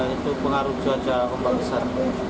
itu pengaruh cuaca ombak besar